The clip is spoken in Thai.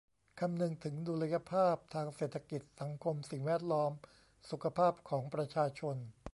คำนึงถึงดุลยภาพทางเศรษฐกิจ สังคม สิ่งแวดล้อม สุขภาพของประชาชน